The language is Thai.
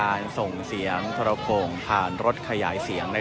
การประตูกรมทหารที่สิบเอ็ดเป็นภาพสดขนาดนี้นะครับ